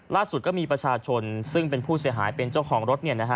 ล่าสุดก็มีประชาชนซึ่งเป็นผู้เสียหายเป็นเจ้าของรถ